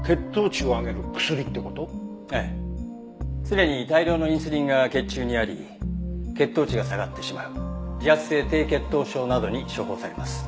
常に大量のインスリンが血中にあり血糖値が下がってしまう自発性低血糖症などに処方されます。